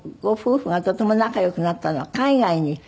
ご夫婦がとても仲良くなったのは海外に。